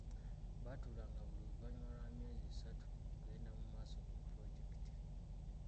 Baatuulanga buli luvannyuma lwa myezi esatu ku kugenda mu maaso ku pulojekiti.